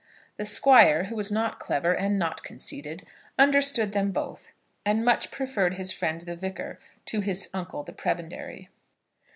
The Squire, who was not clever and not conceited, understood them both, and much preferred his friend the Vicar to his uncle the prebendary.